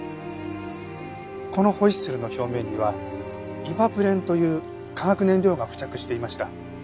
このホイッスルの表面にはイバプレンという化学燃料が付着していました。